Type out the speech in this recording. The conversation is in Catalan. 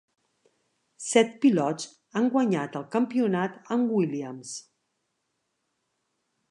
Set pilots han guanyat el campionat amb Williams.